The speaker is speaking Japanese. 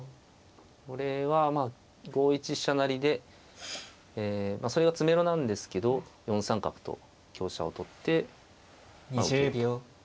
これは５一飛車成でそれが詰めろなんですけど４三角と香車を取ってまあ受けようと。